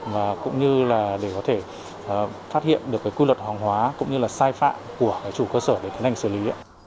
và cũng như là để có thể phát hiện được cái quy luật hàng hóa cũng như là sai phạm của chủ cơ sở để tiến hành xử lý